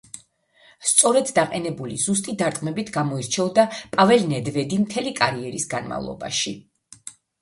სწორედ დაყენებული, ზუსტი დარტყმებით გამოირჩეოდა პაველ ნედვედი მთელი კარიერის განმავლობაში.